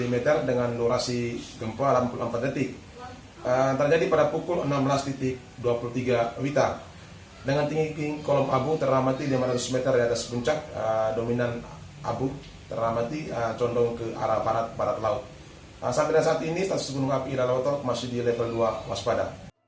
masyarakat dihimbau tidak melakukan aktivitas di sekitar gunung ile lewutolo dalam radius dua km